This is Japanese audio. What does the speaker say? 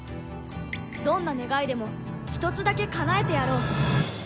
どんな願いでも一つだけ叶えてやろう。